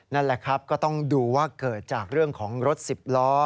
นั่นแหละครับก็ต้องดูว่าเกิดจากเรื่องของรถสิบล้อ